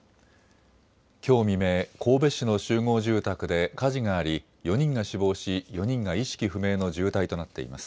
きょう未明、神戸市の集合住宅で火事があり４人が死亡し、４人が意識不明の重体となっています。